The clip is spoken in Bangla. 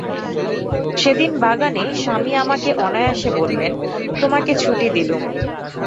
সেদিন বাগানে স্বামী আমাকে অনায়াসে বললেন, তোমাকে ছুটি দিলুম।